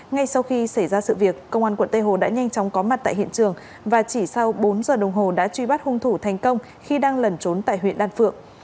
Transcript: ngay sau khi xảy ra sự việc công an quận tây hồ đã nhanh chóng có mặt tại hiện trường và chỉ sau bốn giờ đồng hồ đã truy bắt hung thủ thành công khi đang lẩn trốn tại huyện đan phượng